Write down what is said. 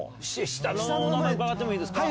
下のお名前伺ってもいいですか？